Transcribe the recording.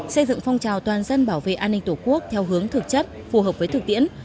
xây dựng phong trào toàn dân bảo vệ an ninh tổ quốc theo hướng thực chất phù hợp với thực tiễn